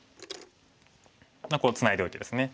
ツナいでおいてですね。